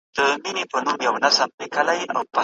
د قلم حرکت پر کاغذ د هنر پیل دی.